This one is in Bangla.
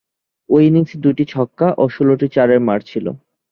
ঐ ইনিংসে দুইটি ছক্কা ও ষোলটি চারের মার ছিল।